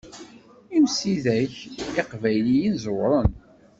Imsidag iqbayliyen ẓewren.